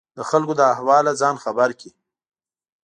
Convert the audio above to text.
د خلکو له احواله ځان خبر کړي.